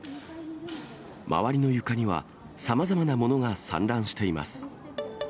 周りの床にはさまざまなものが散乱しています。